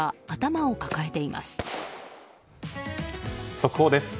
速報です。